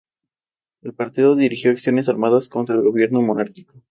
Este tipo de Meteorización física es común en ambiente semiáridos.